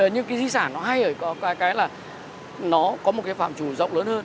nhưng cái di sản nó hay ở cái là nó có một phạm trù rộng lớn hơn